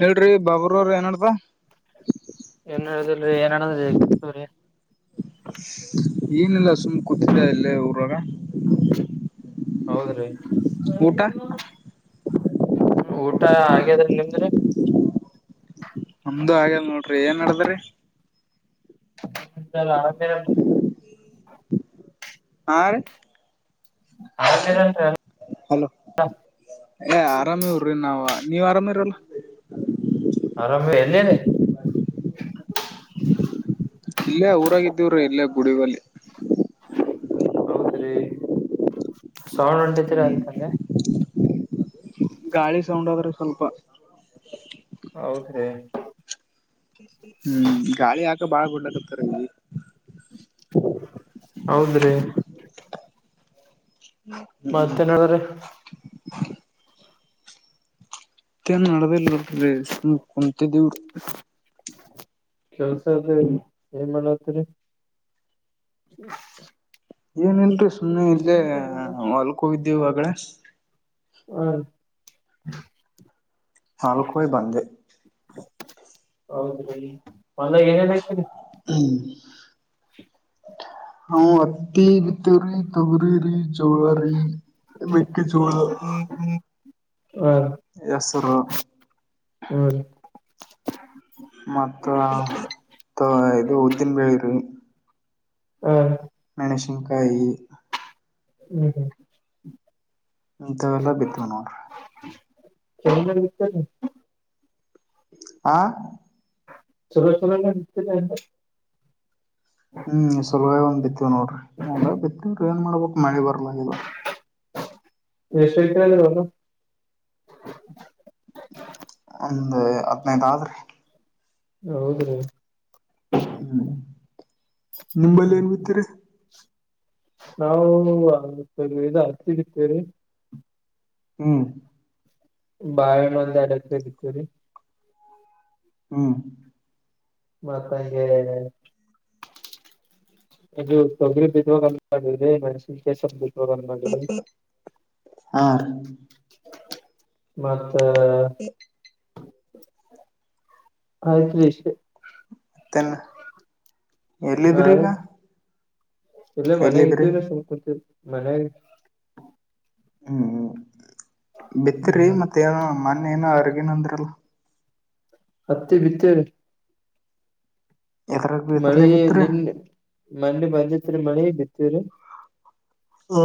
ಹೇಳ್ರಿ ಬಾಬರ್ರ ಏನಡ್ತ. ಏನ್ ಹೇಳುದಲ್ರಿ ಏನ್ದ್ರಿ ಗತರಿ. ಏನಲ್ಲ ಸುಮ್ ಕೂತಿದ್ದ ಎಲ್ಲೇ ಊರಾಗ. ಹೌದ್ರೀ. ಊಟ [unintelligible] ಊಟ ಹಾಗದ್ರ್ ದ ನಿಮ್ದ್ರಿ. ಒಂದು ಆಗಲ್ ನೋಡ್ರಿ ಏನ್ ನಡದ್ರಿ. ಚಲ ಅರಪ್ಪ. ಆ. ಆರಾಮಿರಲ್ರಿ ಹಲೋ ಏ ಆರಾಮ ಹರ್ರಿ ನಾವವು. ನೀವ್ ಆರಾಮ ಇರಲ್ಲ. ಆರಾಮ [unintelligible] ಇಲ್ಲೇ ಊರಾಗಿದ್ದೀವ್ರೀ ಇಲ್ಲೇ ಗುಡಿಗಲ್ಲಿ. ಹೌದ್ರಿ ಸೌಣ ಉಂಟಿದರ ಹ್ಮ್ ಅದಕಲ್ಲೆ. ಗಾಳಿ ಸೌಂಡ್ ಆದ್ರೆ ಸ್ವಲ್ಪ. ಹೌದ್ರೀ. ಹ್ಮ್ ಗಾಳಿ ಹಾಕ ಬಾಳ ಗುಡ್ಲಕತಾರಲ್ಲಿ. ಹೌದ್ರಿ. ಮತ್ತೇನ್ರ. ಮತ್ತೇನ್ ಮಾಡಲ್ಲ ರೀ ಕುಂತಿದೀನಿ. ಕೆಲ್ಸ ಅದ ಏನ್ ಮಾಡತರಿ. ಹ [unintelligible] ಏನ್ ಇಲ್ರಿರಿ ಸುಮ್ಮ್ನೆ ಇಲ್ದೆೇ ಹೊಲ್ಕ ಹೋಗಿದ್ದವಾಗಡೆ. ಹ್ಮ. ನಾಲ್ಕಯ ಬಂದೆ. ಹೌದ ಮಂದಾಗ ಏನೇನರಿ. [inaudible] [unintelligible] ಹ ಅತ್ತಿ ಬಿತ್ತೇವ್ರಿ ತೊಗ್ರಿರಿ. ಚೂಳ ಅ ಮಕ್ಕ ಚೂಳ. ಹಾ ಹ್ಮ್. ಮತ್ತ ಇದು ಉದ್ದಿನ ಬೆಳಿರಿ. ಹಾ. ಶಂಕಾಯಿ. ಹ್ಮ್ ಹ್ಮ್. ಇಂತವೆಲ್ಲ ಬಿಿದ್ದವು ನೋಡ್ರಿ. [unintelligible] ಆ. ಚಲೋ. ಹ್ಮ್ ಸುಲುವೇ ಒಂದ್ ಬಿತ್ತವಿ ನೋಡ್ರಿ ಎಲ್ಲ ಬಿತ್ತವ್ರಿ ಏನ್ ಮಾಡ್ಬೇಕಕ್ ಮಳಿ ಬರ್ಲ ಇದು. ವಿಶತ ತ [unintelligible] ಒಂದು್ ಹದ್ನೈದ್ ಆದ್ರೀ. ಹೌದ್ರೀ. ಹ್ಮ್ ನಿಂಬಲ್ಲಿ ಏನ್ ಹ್ಮ್ ಬಿತ್ತಾರೆ. ನಾವು ಆ ಇದ ಹತ್ತಿ ಇತ್ತೇರಿ. ಹ್ಮ್. ಬಾಯ ಮ ದಡರಿತ್ತುರಿ. ಹ್ಮ. ಮತ್ತನಂಗೆ ಅದು ತೊಗರಿ ಬಿದ್ದಾಗ ಮನ್ಸನ್ ಕೆಸ. ಹ. ಬ. ಇ. ಆಯ್ತ. ಮತ್ತೆನ್ ಎಲ್ಲಿದ್ರಿ ಈಗ. ಇಲ್ಲ ಮನೆ ಎಲ್ಲಿದ್ರಿ ಇದ್ದರ ಸ್ಲ್ ಕುಂತ ಮನೆ. ಹ್ಮ್ ಬಿತ್ತರಿ ಹ್ಮ್ ಮತ್ತೆ ಏನ ಮೊನ್ನ ಏನ ಅವರ್ಗೇನ ಅಂದ್ರಲ್ಲ. ಹತ್ತೆ ಬಿತ್ತ ರ. ಎದ್ರಾಗ ಬಿದ್ರಲೇ ಮಳಿ ಬಿತ್ರಿ ನಿನ್ ಮೊನ್ನಿ ಬಂದಿತ್ರಿ ಮಳಿ ಬಿತ್ತೀವರಿ ಹಾ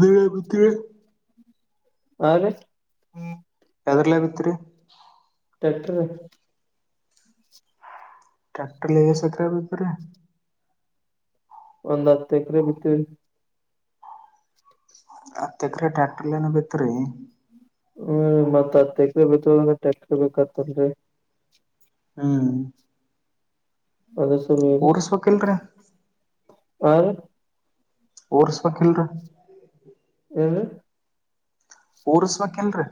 ದ ಹೇಳ ಬಿತ್ [unintelligible] ಹಾ ರೀ ಯದಲ್ಲ ಏಟಿತ್ರಿ ಟ್ರಾಕ್ರರ್ ಟ್ರ್ಯಾಕ್ಟರ್ ಲಗ ಸಕರ ಭತರ ಒಂದ್ ಹತ್ತು ಎಕರೆ ಬಿತ್ತವ್ ರಿ ಹತ್ ಎಕ್ರಿ ಟ್ಯಾಕ್ಟರ್ ಏನ ಬಿತ್ ರರಿ ಹ್ಮ ಮತ್ತತ್ ಎಕ್ರಿ ಬಿತ್ಬೇಕುದ್ರ ಟ್ರಾಕ್ಟರ್ ಬೇಕತ್ತಲ್ರಿ ಹ್ಮ್ ಅದ ಸ [unintelligible] ಊರ್ಸ್ಬೇಕಿಲ್ರಿ ಯರು ಉರ್ಸ್ ಬೇಕಿಳ್ರಿ ಹ್ಮ ಪೋರ್ಸ್ಬೇಕಕ್ಲ್ರೀ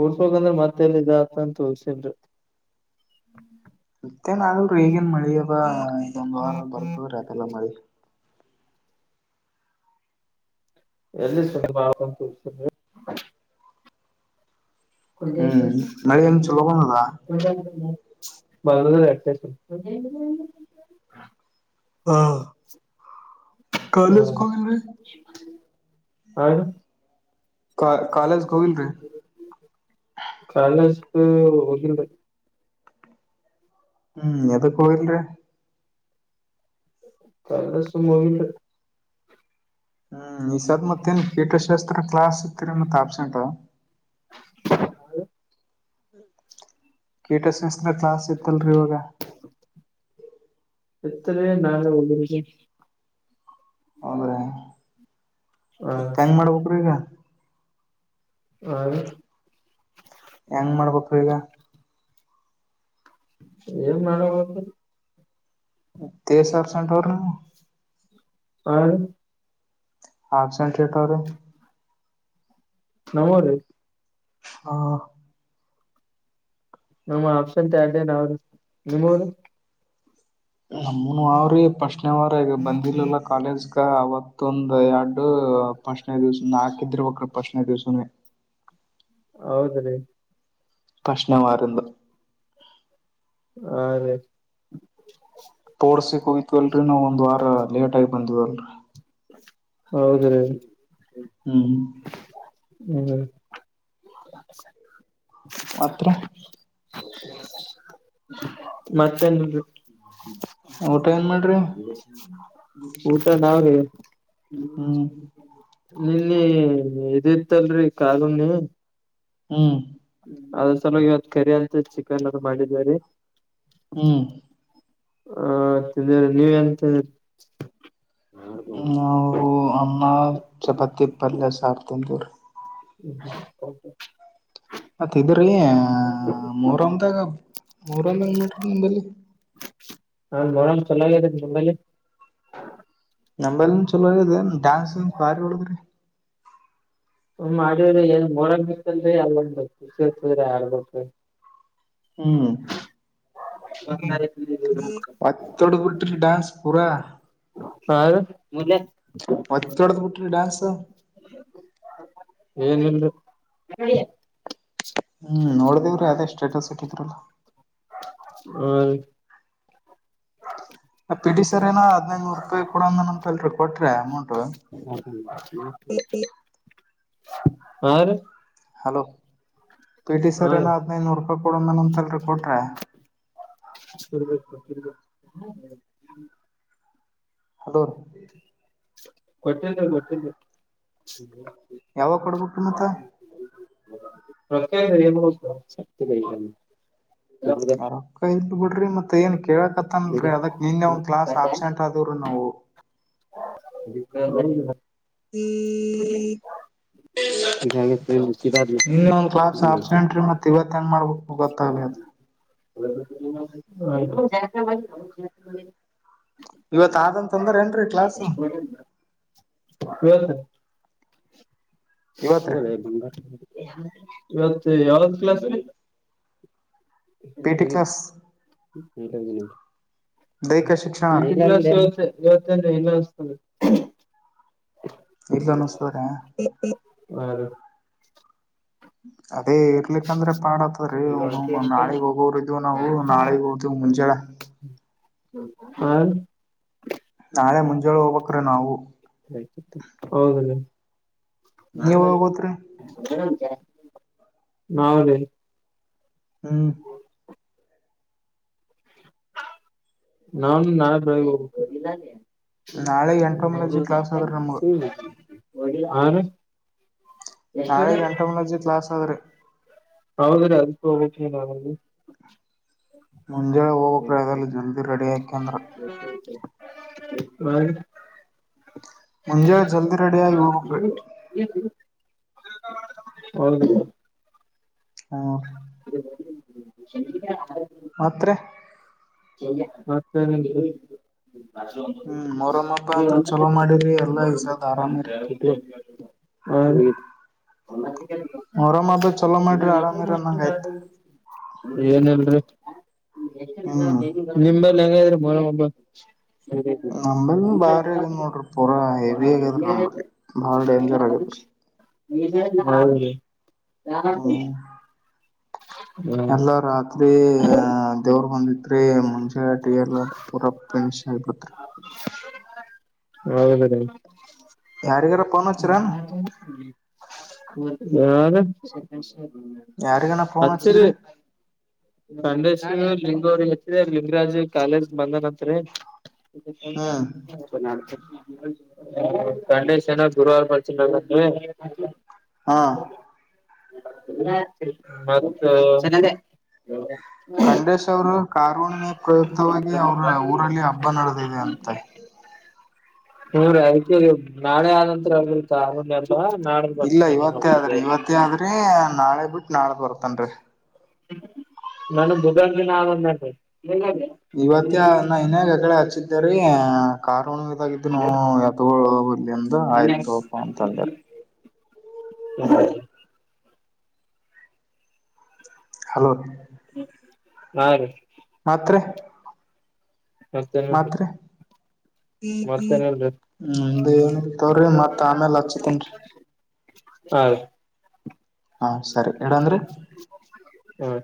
ಉಡ್ಸ್ಬೇಕಂದ್ರೆ ಮತ್ತೆಲ್ಲಾಗ ಉಳ್ಸಿಲ್ರಿ ಮತ್ತೇನ್ ಆಗಲ್ಲೇ ಈಗೇನ್ ಮಳಿ ಅವೊಂದ್ ವಾರ ಬರ್ತದ್ರೀ ಅದೆಲ್ಲ ಮಳಿ ಎಲ್ಲಿ ಸುಲಭ ಆಂತಸಿದಿ [unintelligible] ಕು ಹ್ಮ್ ಮಳಿ ಹೆಂಗ್ ಚಲೋ ಬಂದದ [unintelligible] ಬತೆ [unintelligible] ಹಾ ಕಾಲೇಜ್ಗೆ ಹೋಗಿಲ್ರಿ ಹಾ ಕಾ ಕಾಲೇಜ್ಗೆ ಹೋಗಿಲ್ರಿ ಕಾಲೇಜ್ ಹೋಗಿಲ್ರಿ ಹ್ಮ್ ಎದಕ್ ಹೋಗಿಲ್ರಿ ಕಾಲೇಜ್ ಸುಮ್ ಹೋಗಿಲ್ರಿ ಹ್ಮ್ ಈ ಸದ್ ಮತ್ತೇನ್ ಕೀಟಶಾಸ್ತ್ರ ಕ್ಲಾಸ್ ಇತ್ತರಿ ಮತ್ ಆಬ್ಸೆಂಟ್ ಕೀಟಶಾಸ್ತ್ರ ಕ್ಲಾಸ್ ಇತ್ತಲ್ರಿ ಇವಾಗ ಇತ್ರಿ ನಾಳೆ ಹೋಗಿಲ್ರಿ ಹೌದ್ರಿ ಹ ಮತ್ ಹೆಂಗ್ ಮಾಡ್ಬೇಕ್ರಿ ಈಗ ಹಾ ಹೆಂಗ್ ಮಾಡ್ಬೇಕ್ರಿ ಈಗ ಏನ್ ಮಾಡಬೇಕ ತೇಸ್ ಆಬ್ಸೆಂಟ್ ಅವ್ರಿ ಹಾ ಆಬ್ಸೆಂಟ್ ಏಟ್ ಅವ್ರಿ ನಮ್ಮವ್ರಿ ಹ ನಮ್ಮ ಆಬ್ಸೆಂಟ್ ಎರಡೇ ನಾವ್ರಿ ನಿಮ್ಮವ್ರಿ ನಮ್ಮನು ಅವ್ರಿ ಫಸ್ಟ್ನೇ ವಾರ ಈಗ ಬಂದಿರ್ಲಿಲ್ಲ ಕಾಲೇಜ್ಗ ಅವತ್ತೊಂದ್ ಎರಡು ಫಸ್ಟ್ನೇ ದಿವ್ಸ ನಾಕ್ ಇದ್ದಿರ್ಬೇಕ್ರಿ ಫಸ್ಟ್ನೇ ದಿವ್ಸನೇ ಹೌದ್ರಿ ಫಸ್ಟ್ನೇ ವಾರಿಂದ ಹಾ ರೀ ಸ್ಪೋರ್ಟ್ಸಿಗ್ ಹೋಗಿದ್ವಲ್ರಿ ನಾವ್ ಒಂದ್ ವಾರ ಲೇಟ್ ಆಗಿ ಬಂದಿವಲ್ರಿ ಹೌದ್ರಿ ಹ್ಮ್ ಹ್ಮ್ ಮತ್ರಿ ಮತ್ತೇನ್ರಿ ಊಟ ಏನ್ ಮಾಡ್ರಿ ಊಟ ನಾವ್ರಿ ಹ್ಮ್ ನಿನ್ನಿ ಇದಿತ್ತಲ್ರಿ ಕಾರುಣಿ ಹ್ಮ್ ಅದ್ರ ಸಲ ಇವತ್ ಕರಿ ಅಂತ ಚಿಕನ್ ಅದು ಮಾಡಿದೇವ್ರೀ ಹ್ಮ್ ಆ ತಿಂದೇವ್ರಿ ನೀವ್ ಏನ್ ತಿಂದ್ರಿ ನಾವು ಅನ್ನ ಚಪಾತಿ ಪಲ್ಯ ಸಾರ್ ತಿಂತೀವ್ರಿ ಮತ್ ಇದ್ರೀ ಮೊಹರಂದಾಗ ಮೊಹರಂ ಹೆಂಗ್ ಮಾಡ್ರಿ ನಿಂಬಲ್ಲಿ ನಾನ್ ಮೊಹರಂ ಚಲಾಗ್ಯದ್ರಿ ನಿಂಬಲ್ಲಿ ನಂಬಲ್ಲಿ ಚಲೋ ಇದೆ ಡ್ಯಾನ್ಸ್ ಬಾರಿ ಹೊಡದ್ರಿ ಮಾಡಿವ್ರಿ ಏನ್ ಮೊಹರಂ ಇತ್ತಲ್ರಿ ಅಲ್ಲೊಂದು ಖುಷಿ ಇರ್ತದ್ರಿ ಆಡ್ಬೇಕ್ರಿ ಹ್ಮ್ ಒತ್ತೊಡದ್ ಬಿಟ್ರಿ ಡ್ಯಾನ್ಸ್ ಪೂರಾ ಹಾ ರೀ ಒತ್ತೊಡದ್ ಬಿಟ್ರಿ ಡ್ಯಾನ್ಸ್ ಏನಿಲ್ರಿ ಹ್ಮ್ ನೋಡ್ದೇವ್ರಿ ಅದೇ ಸ್ಟೇಟಸ್ ಇಟ್ಟಿದ್ರಲ್ಲ ಹಾ ರೀ ಪಿ ಟಿ ಸರ್ ಏನೋ ಹದ್ನೈನೂರು ರೂಪಾಯಿ ಕೊಡಂದನಂತಲ್ರಿ ಕೊಟ್ರಿ ಅಮೌಂಟ್ ಹಾ ರೀ ಹಲೋ ಪಿ ಟಿ ಹಾ ಸರ್ ಏನೋ ರೀ ಹದ್ನೈನೂರು ರೂಪಾಯಿ ಕೊಡಂದನಂತಲ್ರಿ ಕೊಟ್ರ ಕೊಟ್ಟಿಲ್ರಿ ಹಲೋ ಕೊಟ್ಟಿಲ್ರಿ ಕೊಟ್ಟಿಲ್ರಿ ಕೊಟ್ಟಿಲ್ರಿ ಯಾವಾಗ ಕೊಡ್ಬೇಕ್ರಿ ಮತ್ತ ರೊಕ್ಕ ಇಲ್ರಿ ಏನ್ ಮಾಡ್ಬೇಕು ರೊಕ್ಕ ಇಲ್ ಬಿಡ್ರಿ ಮತ್ ಏನ್ ಕೇಳಕತ್ತನ್ಲ್ರಿ ಅದಕ್ ನಿನ್ನೆ ಒಂದ್ ಕ್ಲಾಸ್ ಆಬ್ಸೆಂಟ್ ಆದವ್ರಿ ನಾವು ಇದಾಗೈತಿ ಬಿಸಿದಾದ್ಮೇಲೆ ನಿನ್ನೆ ಒಂದ್ ಕ್ಲಾಸ್ ಏನ್ ಆಬ್ಸೆಂಟ್ ಮಾಡ್ತಿ. ರೀ ಮತ್ ಇವತ್ ಹೆಂಗ್ ಮಾಡ್ಬೇಕು ಗೊತ್ತಾಗ್ಲಿ ಅದ ಇವತ್ತು ಇವತ್ ಆದಂತಂದ್ರ ಏನ್ರೀ ಕ್ಲಾಸ್ ತಗೋಲೆ ಇವತ್ರಿ ಬಂಗಾರ ಇವತ್ತು ಯಾವ್ದ್ ಕ್ಲಾಸ್ ರೀ ಪಿ ಟಿ ಕ್ಲಾಸ್ ದೈಹಿಕ ಶಿಕ್ಷಣ ಕ್ಲಾಸ್ ಇವತ್ತು ಇವತ್ತೇನ್ರಿ ಇಲ್ಲ ಅನ್ಸ್ತದೆ ಇಲ್ಲ ಅನಸ್ತದ್ರ ಹಾ ಅದೇ ಇರ್ಲಿಕ್ಕಂದ್ರೆ ಪಾಡತ್ತದ್ರೀ ರೀ ನಾಳಿಗ್ ಹೋಗೋರ್ ಇದೀವ್ ನಾವು ನಾಳಿಗ್ ಹೋಗ್ತಿವ್ ಮುಂಜಾಳೆ ಹಾ ರೀ? ನಾಳೆ ಮುಂಜಾಳೆ ಹೋಗ್ಬೇಕ್ರಿ ನಾವು ಬೇಕಿತ್ತು ಹೌದ್ರಿ ನೀವ್ ಹೋಗೋತ್ರಿ ನಾವ್ರಿ ಹ್ಮ್ ನಾವ್ ನಾಳೆ ಬೆಳಗ್ಗೆ ಹೋಗ್ಬೇಕು ನಾಳೆ ಎಂಟೊಮಲಜಿ ಕ್ಲಾಸ್ ಅದ್ರಿ ನಮ್ಗ ಸುಮ್ಮನೆ ಹಾ ರೀ ನಾಳೆಗ್ ಎಂಟೊಮಲಜಿ ಕ್ಲಾಸ್ ಅದ್ರಿ ಹೌದ್ರಿ ಅದಕ್ಕೆ ಹೋಗ್ಬೇಕ್ರಿ ನಾವಲ್ಲಿ ಮುಂಜಾಳೆ ಹೋಗ್ಬೇಕ್ರಿ ಅದೆಲ್ಲ ಜಲ್ದಿ ರೆಡಿ ಆಯಕಂದ್ರ ಹಾ ರೀ ಮುಂಜಾಳೆ ಜಲ್ದಿ ರೆಡಿ ಆಗಿ ಹೋಗ್ಬೇಕ್ರಿ ಹೌದ್ರಿ ಹ್ಮ್ ಮತ್ರಿ ಮತ್ತೇನಿಲ್ರಿ ಹ್ಮ್ ಮೊರಮ್ಮ ಹಬ್ಬ ಅಂತ್ರ ಚಲೋ ಮಾಡಿರಿ ಎಲ್ಲಾ ಈ ಸದ ಆರಾಮಿರಿ ಹಾ ರೀ ಮೊರಮ್ಮ ಹಬ್ಬ ಚಲೋ ಮಾಡ್ರಿ ಆರಾಮಿರಿ ಅನ್ನಂಗ ಆಯ್ತು ಏನಿಲ್ರಿ ಹ್ಮ್ ನಿಮ್ಮಲ್ಲಿ ಹೆಂಗೈತ್ರಿ ಮೊಹರಂ ಹಬ್ಬ ನಂಬಲ್ಲಿ ಬಾರಿ ಆಗ್ಯದ ನೋಡ್ರಿ ಪೂರಾ ಹೆವಿ ಆಗ್ಯದ್ರಿ ನಂಬಲ್ಲಿ ಬಾಳ ಡೇಂಜರ್ ಆಗೇತ್ರಿ ಹೌದ್ರಿ ಹ್ಮ್ ಹ್ಮ್ ಎಲ್ಲಾ ರಾತ್ರಿ ದೇವ್ರ ಬಂದಿತ್ರಿ ಮುಂಜಾಟಿ ಎಲ್ಲ ಪೂರಾ ಫಿನಿಶ್ ಆಗ್ಬಿತ್ರಿ ಹೌದ್ರಿ ಯಾರಿಗಾರ ಫೋನ್ ಹಚ್ಚಿರೇನ್ ಯಾರ ಯಾರಿಗನ ಫೋನ್ ಹಚ್ಚಿರಿ ಹಚ್ಚಿದ್ರಿ ಖಂಡೇಶ್ ಲಿಂಗ ಅವ್ರಿಗೆ ಹಚ್ಚಿರಿ ಲಿಂಗರಾಜ್ ಕಾಲೇಜ್ ಬಂದನತ್ರಿ ಹ್ಮ್ ಖಂಡೇಶ್ ಏನ ಗುರುವಾರ ಬರ್ತೀನಂತನ್ರಿ ಹಾ ಮತ್ತ ಖಂಡೇಶ್ ಅವರು ಕಾರಹುಣ್ಣಿಮೆ ಪ್ರಯುಕ್ತವಾಗಿ ಅವ್ರ ಊರಲ್ಲಿ ಹಬ್ಬ ನಡೆದಿದೆ ಅಂತ ಹೂ ರೀ ಅದಕ್ಕೆ ನಾಳೆ ಆದಂತ್ರ ಆಗುತ್ತ ಆರಂದ ಅಲ್ವಾ ನಾಡ್ದ ಇಲ್ಲ ಬರ್ತೇನ ಇವತ್ತೇ ಆದ್ರಿ ಇವತ್ತೇ ಆದ್ರಿ ನಾಳೆ ಬಿಟ್ ನಾಳದ್ ಬರ್ತನ್ರಿ ನನ್ಗ್ ಬುಧವಾರ ದಿನ ಆದಂದ್ರಿ ಇವತ್ತೇ ನಾ ಇನ್ಯಾಗ ಆಕಡೆ ಹಚ್ಚಿದ್ದೇರಿ ಕಾರಹುಣ್ಣಿಮೆದಾಗಿದ್ದುನು ಎತ್ಗೋಳ್ ಹೋಗ್ಲಿ ಅಂದ ಆಯ್ತು ತಗೋಪಾ ಅಂತ ಅಂದೆರಿ ಹಲೋ ರೀ ಹಾ ರೀ ಮತ್ರಿ ಮತ್ತೇನ ಮತ್ರಿ ಮತ್ತೇನಲ್ರಿ ನಿಮ್ದ ಏನಿಲ್ಲ ತಗೋರಿ ಮತ್ ಆಮೇಲ್ ಹಚ್ಚತೇನ್ರಿ ಹಾ ರೀ ಹಾ ಸರಿ ಇಡನ್ರಿ. ಹಾ